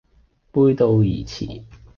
背道而馳